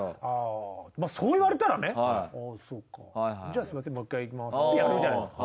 まぁそう言われたらねじゃすみませんもう一回いきますってやるじゃないですか。